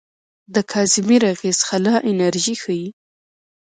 د کازیمیر اغېز خلا انرژي ښيي.